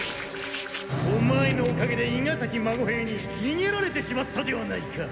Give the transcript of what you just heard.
オマエのおかげで伊賀崎孫兵ににげられてしまったではないか。